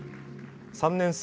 ３年生